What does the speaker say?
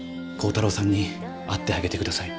耕太郎さんに会ってあげて下さい。